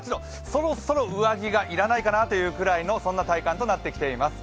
そろそろ上着が要らないかなというぐらいの体感となってきています。